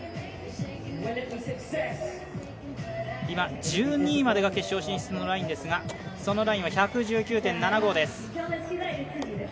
今、１２位までが決勝進出のラインですがそのラインは１１９．７５です。